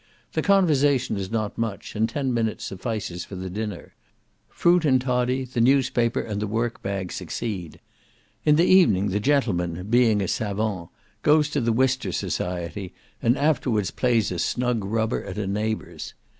The conversation is not much, and ten minutes suffices for the dinner; fruit and toddy, the newspaper and the work bag succeed. In the evening the gentleman, being a savant, goes to the Wister society, and afterwards plays a snug rubber at a neighbour's.